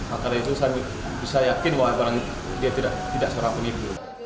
akhirnya saya bisa yakin bahwa dia tidak seorang penipu